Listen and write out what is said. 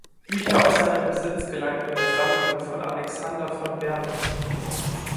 Bücher aus seinem Besitz gelangten in die Sammlung von Alexander von Bernus.